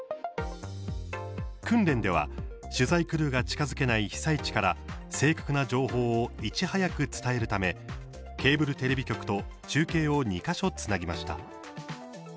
訓練では取材クルーが近づけない被災地から正確な情報をいち早く伝えるためケーブルテレビ局と中継を２か所つなぎました。